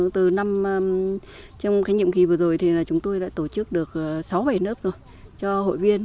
từ năm trong nhiệm kỳ vừa rồi thì chúng tôi đã tổ chức được sáu bảy lớp rồi cho hội viên